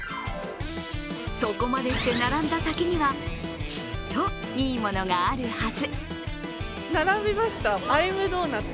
そこまでして並んだ先にはきっといいものがあるはず。